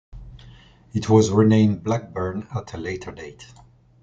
It was renamed Blackburn at a later date.